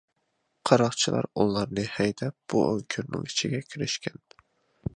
قاراقچىلار ئۇلارنى ھەيدەپ بۇ ئۆڭكۈرنىڭ ئىچىگە كىرىشكەن.